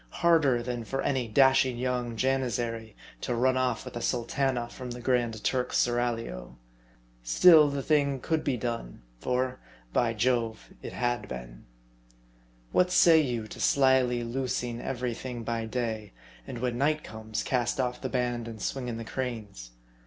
Harder than for any dashing young Janizary to run off with a sultana from the Grand Turk's seraglio. Still, the thing could be done, for, by Jove, it had been. What say you to slyly loosing every thing by day; and when night comes, cast off the band and swing in the cranes